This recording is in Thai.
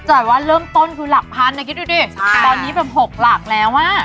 จ่ายว่าเริ่มต้นคือหลักพันนะคิดดูดิตอนนี้แบบ๖หลักแล้วอ่ะ